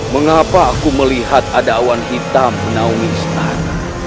mengapa aku melihat ada awan hitam menaumi setan